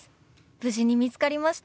無事に見つかりました。